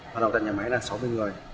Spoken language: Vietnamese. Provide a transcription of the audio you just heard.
mở đầu tại nhà máy là sáu mươi người